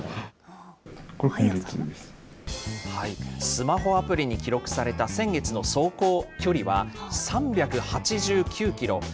スマホアプリに記録された先月の走行距離は、３８９キロ。